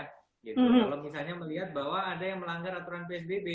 kalau misalnya melihat bahwa ada yang melanggar aturan psbb